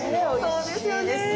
そうですよね。